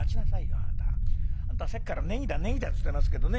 あんたさっきから『ネギだネギだ』って言ってますけどね